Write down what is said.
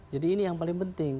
jadi ini yang paling penting